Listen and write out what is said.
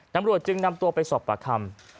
ตำรวจจึงนำตัวไปสอบปากคำ